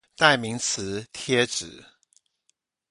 代名詞貼紙